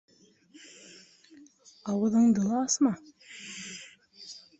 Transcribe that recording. - Ауыҙыңды ла асма.